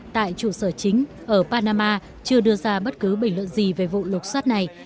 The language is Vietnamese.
tại trụ sở chính ở panama chưa đưa ra bất cứ bình luận gì về vụ lục xoát này